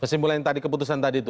kesimpulan tadi keputusan tadi itu